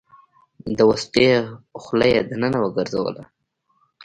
د وسلې خوله يې دننه وګرځوله.